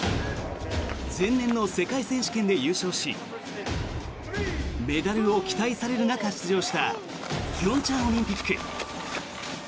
前年の世界選手権で優勝しメダルを期待される中、出場した平昌オリンピック。